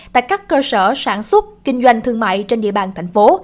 tại các cơ sở sản xuất kinh doanh thương mại trên địa bàn thành phố